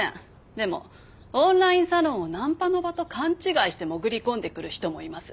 でもオンラインサロンをナンパの場と勘違いして潜り込んでくる人もいます。